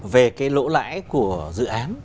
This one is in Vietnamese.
về cái lỗ lãi của dự án